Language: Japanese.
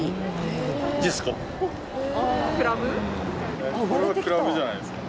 これはクラブじゃないですか？